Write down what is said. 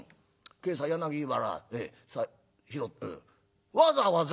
今朝柳原財布拾ったわざわざ？